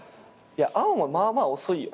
碧もまあまあ遅いよ。